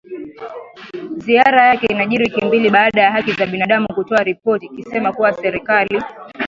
Ziara yake inajiri wiki mbili baada ya haki za binadamu kutoa ripoti ikisema kuwa serikali